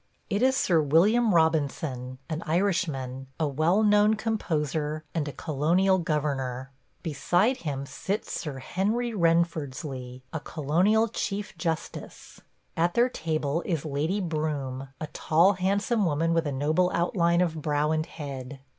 It is Sir William Robinson, an Irishman, a well known composer, and a colonial governor. Beside him sits Sir Henry Wrenfordsly, a colonial chief justice. At their table is Lady Broome, a tall, handsome woman with a noble outline of brow and head.